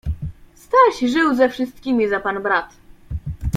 Staś żył ze wszystkimi za pan brat.